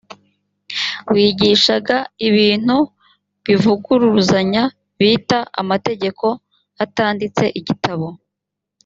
wigishaga ibintu bivuguruzanya bita amategeko atanditse igitabo